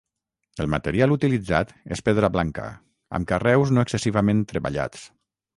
El material utilitzat és pedra blanca, amb carreus no excessivament treballats.